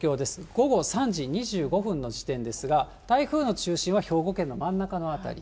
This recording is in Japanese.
午後３時２５分の時点ですが、台風の中心は兵庫県の真ん中の辺り。